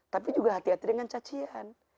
tapi juga hati hati dengan cacihan